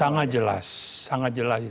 sangat jelas sangat jelas